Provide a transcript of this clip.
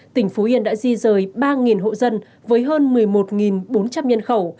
tỉnh phú yên đã di rời ba hộ dân với hơn một mươi một bốn trăm linh nhân khẩu